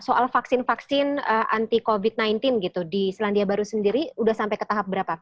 soal vaksin vaksin anti covid sembilan belas gitu di selandia baru sendiri sudah sampai ke tahap berapa